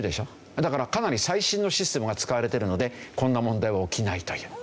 だからかなり最新のシステムが使われてるのでこんな問題は起きないという。